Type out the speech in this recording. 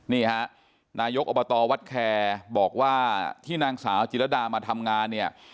นี่ฮะนายกอบตวัดแคร์บอกว่าที่นางสาวจิรดามาทำงานเนี่ย